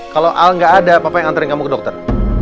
kalo al ga ada papa yang anterin kamu ke dokter